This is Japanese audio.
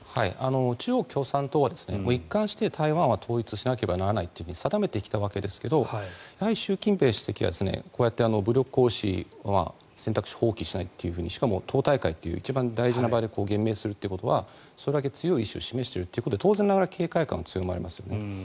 中国共産党は、一貫して台湾は統一しなければならないと定めてきたわけですが習近平主席はこうやって武力行使の選択肢を放棄しないとしかも党大会という一番大事な場で言明するというのはそれだけ強い意思を示しているということで当然ながら警戒感は強まりますよね。